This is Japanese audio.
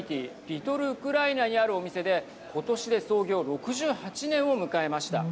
リトル・ウクライナにあるお店で今年で創業６８年を迎えました。